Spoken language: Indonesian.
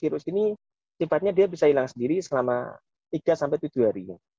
virus ini sifatnya dia bisa hilang sendiri selama tiga sampai tujuh hari